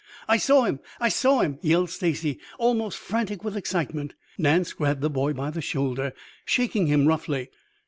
"I saw him! I saw him!" yelled Stacy, almost frantic with excitement. Nance grabbed the boy by the shoulder, shaking him roughly.